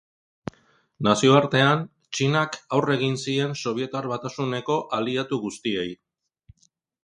Nazioartean, Txinak aurre egin zien Sobietar Batasuneko aliatu guztiei.